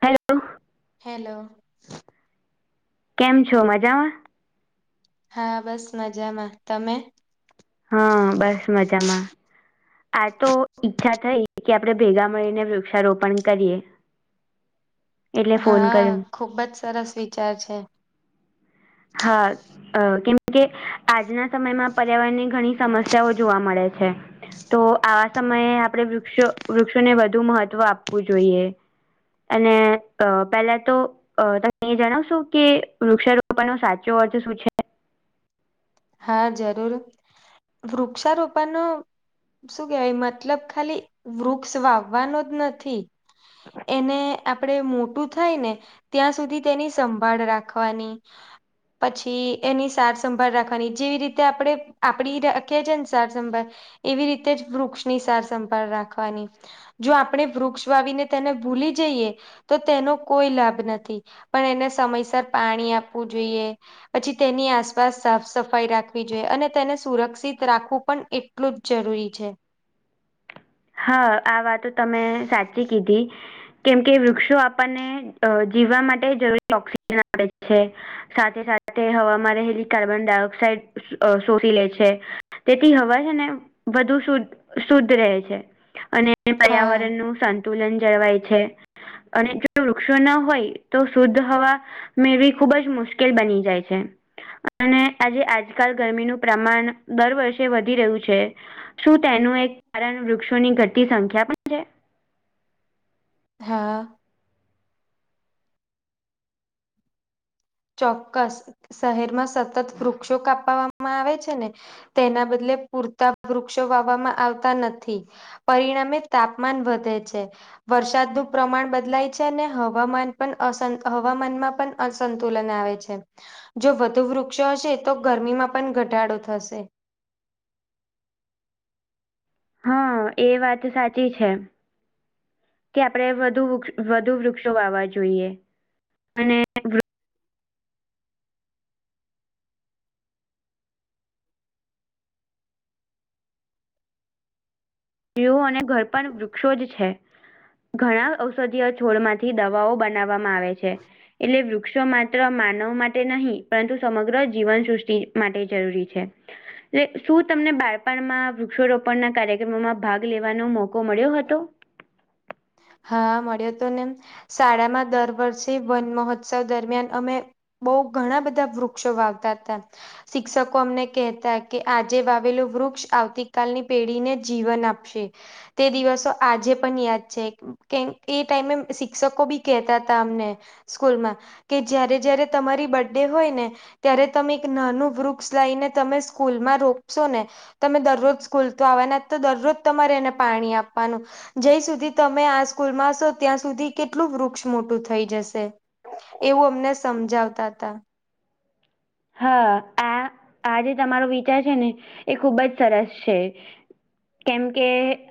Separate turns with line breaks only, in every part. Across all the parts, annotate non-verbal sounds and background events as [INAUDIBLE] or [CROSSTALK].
Hello-
hello
કેમ છો મજામાં-
હા બસ મજામાં તમે-
હા બસ મજામાં- આ તો ઈચ્છા થઈ કે આપડે ભેગા મળીને વૃક્ષારોપણ કરીએ- [INAUDIBLE] એટલે ફોન
હા
કર્યો
ખુબ જ સરસ વિચાર છે.
હા કેમ કે આજના સમયમાં પર્યાવરણને- ઘણી સમસ્યાઓ જોવા મળે છે. તો આવા સમયે આપડે વૃક્ષો વૃક્ષોને વધુ મહત્વ આપવું જોઈએ- અને અ પેલા તો- અ તમે એ જણાવશો કે વૃક્ષારોપણનો સાચો અર્થ શું છે.
હા જરૂર વૃક્ષારોપણનું- શું કેવાય મતલબ ખાલી વૃક્ષ વાવવાનો જ નથી- એને આપણે મોટું થાય ને- ત્યાં સુધી તેની સંભાળ રાખવાની પછી એની સાર સંંભાળ રાખવા. અને જેવી રીતે આપડે આપડી કે છે ને સારસંભા એવી રીતે જ વૃક્ષની સાર સંંભાળ રાખવાની. જો આપણે વૃક્ષ વાવીને તેને ભૂલી જઈએ. તો તેનો કોઈ લાભ નથી પણ એને સમયસર પાણી આપવું જોઈએ. પછી તેની આસપાસ સાફ- સફાઈ રાખવી જોઈએ અને તેને સુરક્ષિત રાખવું પણ એટલું જ જરૂરી છે.
હા આ વાતો તમે સાચી કીધી- કેમ કે વૃક્ષો આપણને જીવવા માટે જરૂરી ઓક્સિજન આપે છે. સાથે સાથે હવામાં રહેલી કાર્બન ડાયોક્સાઇડ શોષી લે છે. તેથી હવા છે ને વધુ શુદધ શુદ્ધ રહે છે. અને
હા
પર્યાવરણ નું સંતુલન જળવાય છે. અને જો વૃક્ષો ના હોય તો શુદ્ધ હવા. મેળવી ખુબ જ મુશ્કેલ બની જાય છે. અને આજે આજકાલ ગરમીનું પ્રમાણ દર વર્ષે વધી રહ્યું છે. શું તેનું એક કારણ વૃક્ષોની ઘટતી સંખ્યા પણ છે.
હા. ચોક્કસ શહેરમાં સતત વૃક્ષો કાપવામાં આવે છે ને. તેના બદલે પૂરતા વૃક્ષો વાવામાં આવતા નથી. પરિણામે તાપમાન વધે છે. વરસાદનું પ્રમાણ બદલાય છે અને હવામાન પણ અસ હવામાનમાં પણ અસંત. તુલન આવે છે જો વધુ વૃક્ષો હશે તો ગરમીમાં પણ ઘટાડો થશે.
હા એ વાત ત સાચી છે. કે આપડણે વધુ વધુ વૃક્ષો વાવા જોઈએ અને. સ્ઓો અને ઘર પણ વૃક્ષો જ છે. ઘણા ઔષધીય છોડ માંથી દવાઓ બનાવવામાં આવે છે. એટલે વૃક્ષો માત્ર માનવ માટે નહીં પરંતુ સમગ્ર જીવન સૃષ્ટિ માટે જરૂરી છે. એટલે શું તમને બાળપણમાં વૃક્ષ રોપણ ના કાર્યક્રમોમાં. ભાગ લેવાનો મોકો મળ્યો હતો.
હા મળ્યો તો ને શાળામાં દર વર્ષે વન મહોત્સવ દરમિયાન અમે બહુ ઘણા બધા વૃક્ષો વાવતા તા. શિક્ષકો અમને કહેતા કે આજે વાવેલું વૃક્ષ આવતી કાલની પેઢીને જીવન આપશે. તે દિવસો આજે પણ યાદ છે. કે એ ટાઈમે શિક્ષકો બી કેહેતા હતા અમને સ્કૂલમાં. કે જ્યારે જ્યારે તમારી બર્ ડે હોય ને. ત્યારે તમે એક નાનું વૃક્ષ લઈને તમે સ્કૂલમાં રોપશો ને. તમે દરરોજ સ્કૂલ તો આવવાના તો દરરોજ તમારે એને પાણી આપવાનું જ્યાં સુધી તમે આ સ્કૂલમાંશો ત્યાં સુધી કેટલું વૃક્ષ મોટું થઈ જશે. એવું અમને સમજાવતા હતા.
હા આ આ જે તમારો વિચાર છે ને એ ખુબ જ સરસ છે. કેમ કે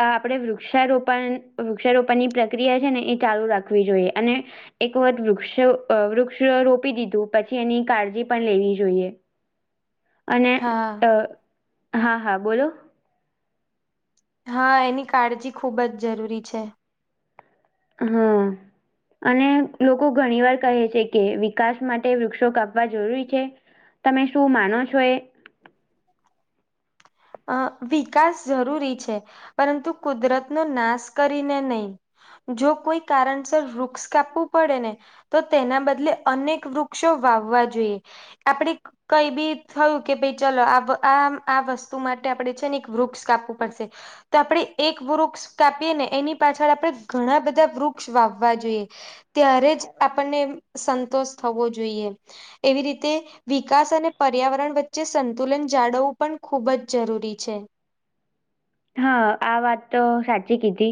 અ આપડે વૃક્ષારોપણ વૃક્ષારોપણ ની પ્રક્રિયા છે ને એ ચાલુ રાખ. રાખવી જોઈએ અને એક વખત વૃક્ષ અ વૃક્ષ રોપી દીધું પછી એની કાળજી પણ લેવી જોઈએ. અને અ
હા
હા હા બોલો.
હા એની કાળજી ખુબ જ જરૂરી છે.
હા. અને લોકો ઘણી વાર કહે છે કે વિકાસ માટે વૃક્ષો કાપવા જરૂરી છે. તમે શું માનો છો એ.
અ વિકાસ જરૂરી છે પરંતુ કુદરતનો નાશ કરીને નહીં. જો કોઈ કારણસર વૃક્ષ કાપવું પડે ને. તો તેના બદલે અનેક વૃક્ષો વાવવા જોઈએ. આપણે કઈ બી થયું કે ભાઈ ચલો આમ આ વસ્તુ. તુ માટે આપણેે છે ને એક વૃક્ષ કાપવું પડશે તો આપણે એક વૃક્ષ કાપીએ ને એની પાછળ આપણે ઘણા બધા વૃક્ષ વાવવા જોઈએ. ત્યારે જ આપણને સંતોષ થવો જોઈએ. એવી રીતે વિકાસ અને પર્યાવરણ વચ્ચે સંતુલન જાળવવું પણ ખૂબ જ. જરૂરી છે.
હા આ વાત તો સાચી કીધી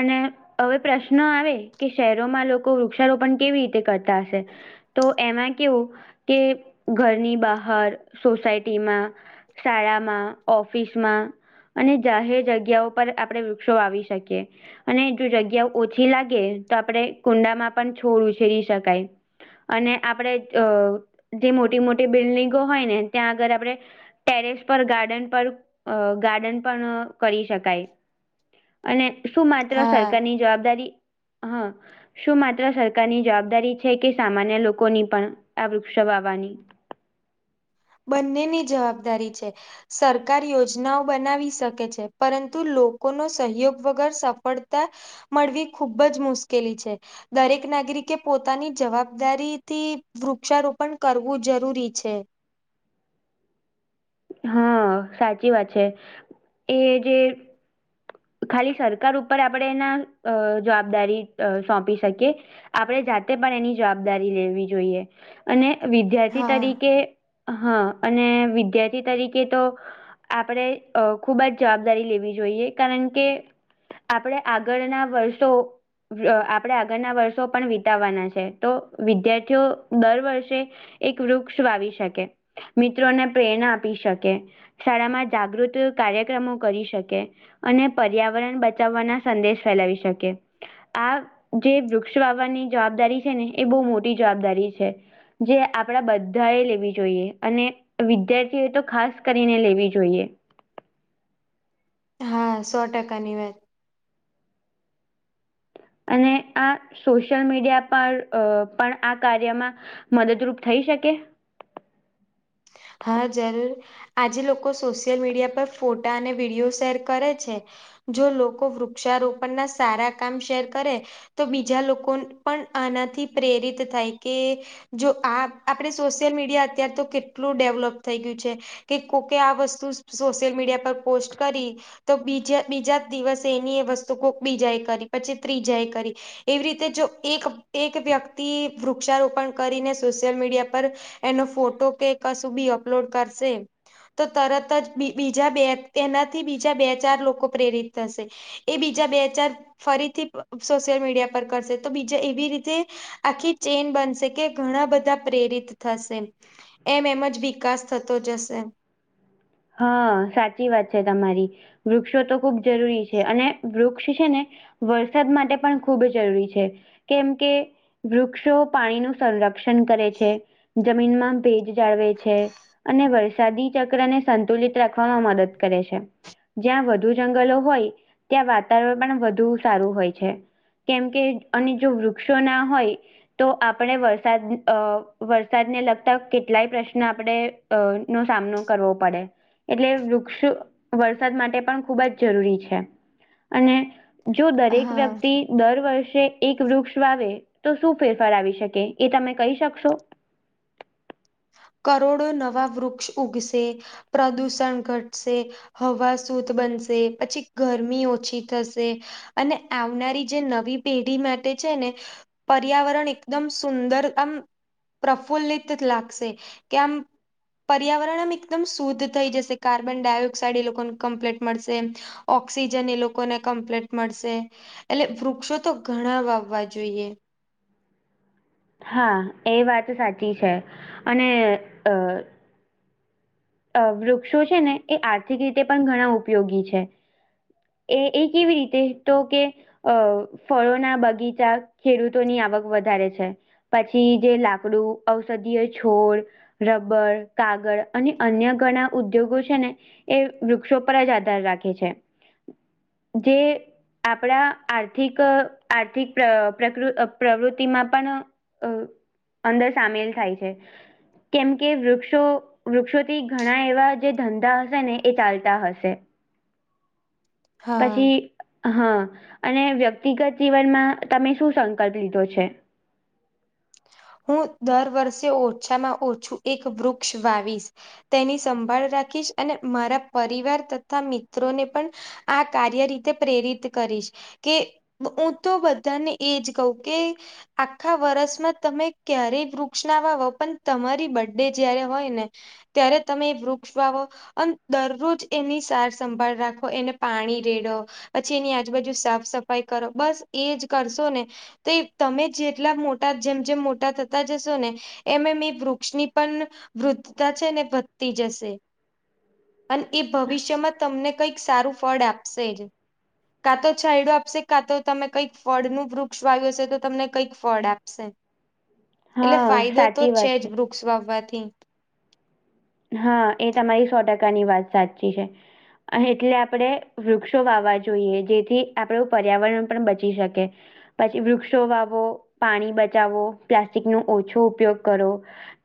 અને. હવે પ્રશ્ન આવે કે શહેરોમાં લોકો વૃક્ષારોપણ કેવી રીતે કરતા હશે. તો એમાં કેવું કે ઘરની બહાર સોસાયટીમાં શાળામાં ઓફિસમાં અને જાહેર જગ્યા પર આપડે વૃક્ષો વાવી શકીએ. અને જો જગ્યા ઓછી લાગે તો આપણે કુંડામાં પણ છોડ ઉછેરી શકાય. અને આપડે અ જે મોટી મોટી બિલ્ડિંગો હોય ને ત્યાં આગળ આપણે. ટેરેસ પર ગાર્ડન પર અ ગાર્ડન પણ કરી શકાય અને શું માત્ર
હા.
સરકારની જવાબદારી હા. શું માત્ર સરકારની જવાબદારી છે કે સામાન્ય લોકોની પણ આ વૃક્ષો વાવાની.
બંનેની જવાબદારી છે. સરકાર યોજનાઓ બનાવી શકે છે પરંતુ લોકોનો સહયોગ વગર સફળતા મળવી ખુબ જ મુશ્કેલી છે. દરેક નાગરિકે પોતાની જવાબદારી થી વૃક્ષારોપણ કરવું જરૂરી છે.
હા સાચી વાત છે એ જે. ખાલી સરકાર ઉપર આપણેે એના જવાબદારી સોંપી શકીએ. આપણે જાતે પણ એની જવાબદારી લેવી જોઈએ. અને વિદ્યાર્થી
હા,
તરીકે હા. અને વિદ્યાર્થી તરીકે તો આપણેે ખુબ જ જવાબદારી લેવી જોઈએ. કારણ કે આપણે આગળના વર્ષો અ, આપણે આગળના વર્ષો પણ વિતાવાના છે તો વિદ્યાર્થીઓ દર વર્ષે. એક વૃક્ષ વાવી શકે મિત્રોને પ્રેરણા આપી શકે. શાળામાં જાગૃત કાર્યક્રમો કરી શકે. અને પર્યાવરણ બચાવવાના સંદેશ ફેલાવી શકે. આ જે વૃક્ષ વાવાની જવાબદારી છે ને એ બહુ મોટી જવાબદારી છે. જે આપડા બધા એ લેવી જોઈએ અને વિદ્યાર્થીએ તો ખાસ કરીને લેવી જોઈએ.
હા સો ટકાની વાત.
અને આ સોશિયલ મીડિયા પર પણ આ કાર્યમાં. મદદરૂપ થઈ શકે.
હા જરૂર આજે લોકો સોશિયલ મીડિયા પર ફોટા અને વિડીયો શેર કરે છે. જો લોકો વૃક્ષારોપણ ના સારા કામ શેર કરે. તો બીજા લોકો પણ આનાથી પ્રેરિત થાય કે. જો આપણે સોશિયલ મીડિયા અત્યાર તો એટલું ડેવલપ થઈ ગયું છે કે કોકે આ વસ્તુ સોશિયલ મીડિયા પર પોસ્ટ કરી. તો બીજા બીજા જ દિવસે એની એ વસ્તુ કોક બીજા એ કરી પછી ત્રીજા એ કરી. એવી રીતે જો એક એક વ્યક્તિ વૃક્ષારોપણ કરીને સોશિયલ મીડિયા પર એનો ફોટો કે કશું બી અપલોડ કરશે તો તરત જ બીજા બે એનાથી બીજા બે ચાર લોકો પ્રેરિત થશે. એ બીજા બે હ ચાર ફરીથી સોશિયલ મીડિયા પર કરશે તો બીજા એવી રીતે આખી ચેન બનશે કે ઘણા બધા પ્રેરિત થશે. એમ એમ જ વિકાસ થતો જશે.
હા સાચી વાત છે તમારી વૃક્ષો તો ખુબ જરૂરી છે અને વૃક્ષ છે ને વરસાદ માટે પણ ખૂબ જરૂરી છે કેમ કે વૃક્ષો પાણી ન સંરક્ષણ કરે છે જમીનમાં ભેજ જાળવે છે. અને વરસાદી ચક્ર ને સંતુલિત રાખવામાં મદદ કરે છે. જ્યાં વધુ જંગલો હોય ત્યાં વાતાવરણ પણ વધુ સારું હોય છે. કેમ કે અને જો વૃક્ષો ના હોય તો આપણે વરસાદ અ વરસાદને લગતા કેટલાય પ્રશ્ન આપણે અ નો સામનો કરવો પડ પડે એટલે વૃક્ષ વરસાદ માટે પણ ખૂબ જ જરૂરી છે. અને જો દરેક
હા
વ્યક્તિ, દર વર્ષે એક વૃક્ષ આવે તો શું ફેરફાર આવી શકે એ તમે કહી શકશો.
કરોડો નવા વૃક્ષ ઉગશે પ્રદૂષણ ઘટશે. હવા શુદ્ધ બનશે પછી ગરમી ઓછી થશે. અને આવનારી જે નવી પેઢી માટે છે ને પર્યાવરણ એકદમ સુંદર આમ પ્રફુલ્લિત લાગશે. કેમપ. પર્યાવરણ આમ એકદમ શુદ્ધ થઈ જશે કાર્બન ડાયોક્સાઇડ એ લોકોને કમ્પ્લીટ મળશે. ઓક્સિજન એ લોકોને કમ્પ્લીટ મળશે. એટલે વૃક્ષો તો ઘણા વાવવા જોઈએ.
હા એ વાત સાચી છે અને અ અ વૃક્ષો છે ને એ આર્થિક રીતે પણ ઘણા ઉપયોગી છે. એ એ કેવી રીતે તો કે. અ ફળોના બગીચા ખેડૂતોની આવક વધારે છે. પછી જે લાકડું ઔષધીય છોડ રબર કાગળ અને અન્ય ઘણા ઉદ્યોગો છે ને, એ વૃક્ષો પર જ આધાર રાખે છે. જે આપણા આર્થિક આર્થિક પ્રકૃ પ્રવૃતિમાં પણ અ અંદર સામેલ થાય છે કેમ કે વૃક્ષો વૃક્ષોથી ઘણા એવા જે ધંધા હશે ને એ ચાલતા હશે.
હા
પછી હા અને વ્યક્તિગત જીવનમાં તમે શું સંકલ્પ લીધો છે.
હું દર વર્ષે ઓછામાં ઓછું એક વૃક્ષ વાવીશ. તેની સંભાળ રાખીશ અને મારા પરિવાર તથા મિત્રોને પણ. આ કાર્ય રીતે પ્રેરિત કરીશ. કે હું તો બધાને એજ કહું કે આખા વર્ષમાં તમે ક્યારે વૃક્ષ ના વા હો પણ તમારી બર્ ડે જયારે હોય ને, ત્યારે તમે વૃક્ષ વાવો અને દરરોજ એની સાર સંંભાળ રાખો એને પાણી રેડો. પછી એની આજુબાજુ સાફ સફાઈ કરો બસ એજ કરશો ને તો એ તમે જેટલા મોટા જેમ જેમ મોટા થતા જશો ને, એમ એમ એ વૃક્ષની પણ વૃદ્ધતા છે ને વધતી જશે. અને એ ભવિષ્યમાં તમને કઈક સારું ફળ આપશે. કાં તો છાયડું આપશે કાં તો તમે કઈક ફળનુંું વૃક્ષ વા્યું હશે તો તમને કંઈક ફળ આપશે. એટલે
હા
ફાયદો તો
સાચી
છે
વાત
જ વૃક્ષ વાવવાથી.
હા એ તમારી સો ટકાની વાત સાચી છે. એટલે આપણેે વૃક્ષો વાવવા જોઈએ જેથી આપણું પર્યાવરણ પણ બચી શકે. પછી વૃક્ષો વાવો પાણી બચાવો પ્લાસ્ટિક નો ઓછો ઉપયોગ કરો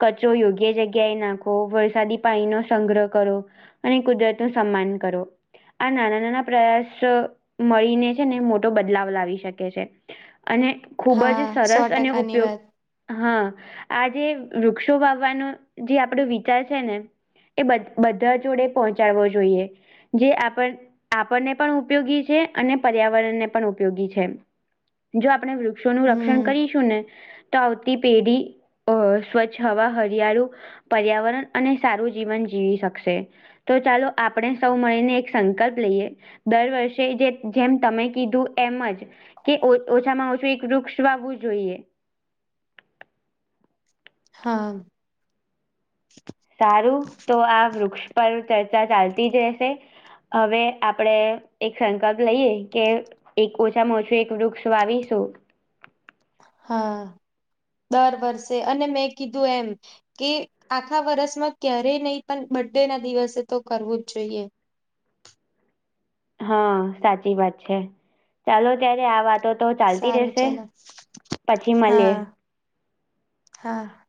કચરો યોગ્ય જગ્યા એ નાખો. વરસાદી પાણીનો સંગ્રહ કરો અને કુદરતનું સન્માન કરો. આ નાના નાના પ્રયાસ મળીને છે ને મોટો બદલાવ લાવી શકે છે. અને ખૂબ જ
હા સો
સરસ અને
ટકાની
ઉપયોગ
વાત
હા, આ જે વૃક્ષો વાવવાનો જે આપણો વિચાર છે ને, એ બધા જોડે પહોંચાડવો જોઈએ. જે આપણ આપણને પણ ઉપયોગી છે અને પર્યાવરણને પણ ઉપયોગી છે. જો આપણે વૃક્ષોનું રક્ષણ
હમ
કરીશું ને તો આવતી પેઢી અ સ્વચ્છ હવા, હરિયાળું પર્યાવરણ અને સારું જીવન જીવી શકશે તો ચાલો આપણે સૌ મળીને એક સંકલ્પ લઈએ. દર વર્ષે જે જેમ તમે કીધું એમ જ કે ઓછામાં ઓછું એક વૃક્ષ વાવવું જોઈએ.
હા.
સારું. તો આ વૃક્ષ પર ચર્ચા ચાલતી જ રહેશે. હવે, આપણેે એક સંકલ્પ લઈએ કે એક ઓછામાં ઓછું એક વૃક્ષ વાવીશું.
હા, દર વર્ષે અને મેં કીધું એમ કે આખા વર્ષમાં ક્યારેય નહીં પણ બર્ડેના દિવસે તો કરવું જ જોઈએ.
હા, સાચી વાત છે ચાલો ત્યારે આ વાતો તો ચાલતી
સારું
રહેશે
ચાલો.
પછી મલીએ.
હા હા.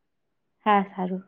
હા હારું.